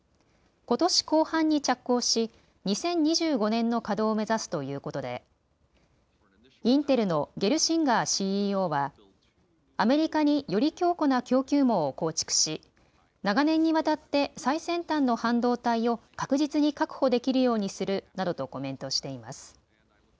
ことし後半に着工し、２０２５年の稼働を目指すということでインテルのゲルシンガーＣＥＯはアメリカにより強固な供給網を構築し長年にわたって最先端の半導体を確実に確保できるようにするなどとコメントしています。